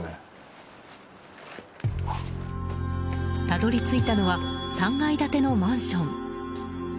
たどり着いたのは３階建てのマンション。